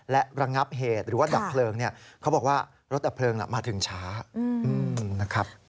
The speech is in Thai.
และระงับเหตุหรือว่าดับเพลิงเนี่ยเขาบอกว่ารถดับเพลิงมาถึงช้านะครับ